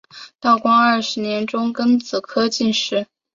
道光二十年中庚子科进士。